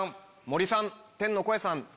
森さん天の声さん！